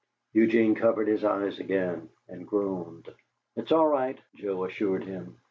Eugene covered his eyes again and groaned. "It's all right," Joe assured him.